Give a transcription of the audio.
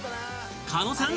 狩野さん